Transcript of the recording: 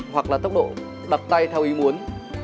hoặc là tốc độ đặt tay theo ý muốn